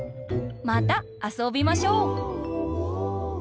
またあそびましょう！